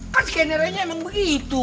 kan skenernya emang begitu